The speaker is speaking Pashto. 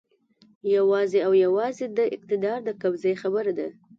یوازې او یوازې د اقتدار د قبضې خبره ده.